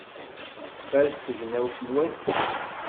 Tfaz tegnewt n wass-a.